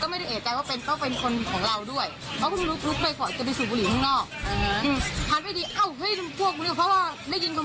ก็เลยเข้าไปห้ามกันแล้วก็ก็เลยเอาปืนออกมานี่แหละรู้สึกเอาปืนออกมาตั้ง๒๓รอบ